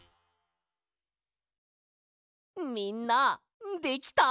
みんなできた？